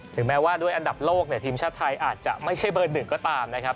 แม้ว่าด้วยอันดับโลกเนี่ยทีมชาติไทยอาจจะไม่ใช่เบอร์หนึ่งก็ตามนะครับ